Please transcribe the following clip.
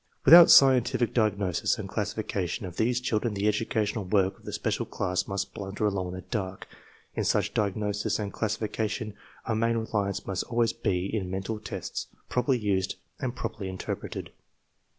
Without scientific diagnosis and classi fication of these children the educational work of the special class must blunder along in the dark. In such diagnosis and classification our main reliance must always be in mental tests, properly used and properly interpreted.